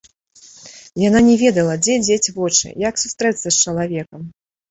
Яна не ведала, дзе дзець вочы, як сустрэцца з чалавекам.